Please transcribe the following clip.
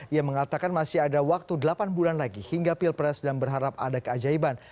ia mengatakan masih ada waktu delapan bulan lagi hingga pilpres dan berharap ada keajaiban